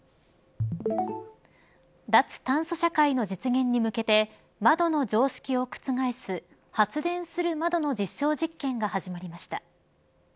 脱炭素社会の実現に向けて窓の常識を覆す発電する窓の実証実験が始まりました。